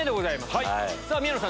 宮野さん